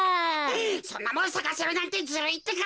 そんなもんさかせるなんてズルいってか。